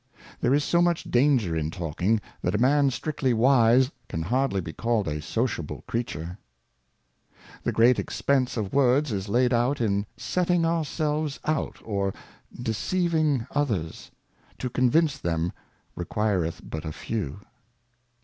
There is so much Danger in Talking, that a Man strictly wise can hardly be called a sociable Creature. The great Expence of Words is laid out in setting ourselves out, or deceiving others ; to convince them requireth but a few.